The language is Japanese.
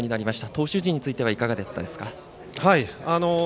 投手陣についてはいかがでしたか。